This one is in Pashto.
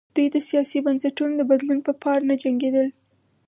دوی د سیاسي بنسټونو د بدلون په پار نه جنګېدل.